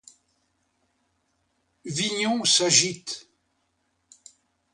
Vignon s'agite.